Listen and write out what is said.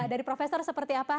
dari profesor seperti apa